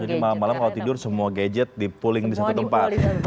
jadi malam malam kalau tidur semua gadget dipuling di satu tempat